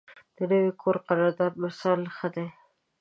د نوي کور قرارداد مثال ښه دی.